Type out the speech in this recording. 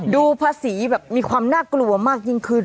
ภาษีแบบมีความน่ากลัวมากยิ่งขึ้น